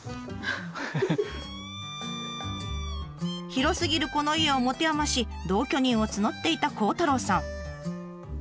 広すぎるこの家を持て余し同居人を募っていた孝太郎さん。